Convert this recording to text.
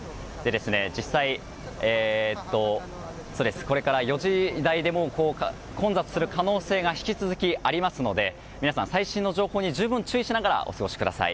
実際、これから４時台でも混雑する可能性が引き続きありますので皆さん最新の情報に十分注意しながらお過ごしください。